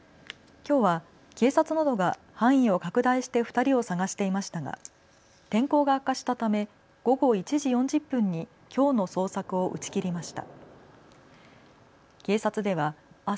きょうは警察などが範囲を拡大して２人を捜していましたが天候が悪化したため午後１時４０分にきょうの捜索を打ち切りました。